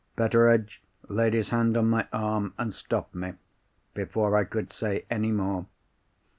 Betteredge laid his hand on my arm, and stopped me before I could say any more.